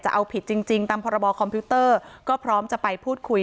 จะเอาผิดจริงจริงตามพคก็พร้อมจะไปพูดคุย